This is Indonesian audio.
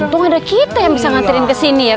tunggu ada kita yang bisa ngaterin kesini ya